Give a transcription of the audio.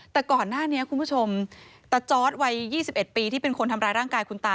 แต่ก่อนหน้านี้คุณผู้ชมตาจอร์ดวัย๒๑ปีที่เป็นคนทำร้ายร่างกายคุณตา